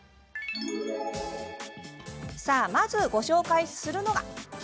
まず、ご紹介するのが。